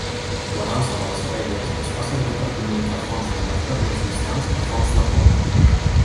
La dansa de les abelles es fa servir per comunicar fonts de nèctar més distants o fonts de pol·len.